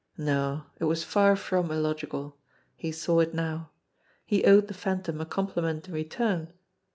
No it was far from illogical. He saw it now. He owed the Phantom a compliment in return.